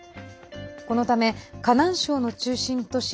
このため河南省の中心都市